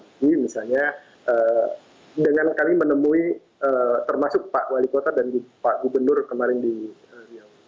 jadi misalnya dengan kami menemui termasuk pak wali kota dan pak gubernur kemarin di riau